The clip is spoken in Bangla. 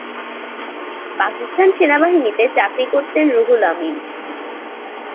পাকিস্তান সেনাবাহিনীতে চাকরি করতেন রুহুল আমিন।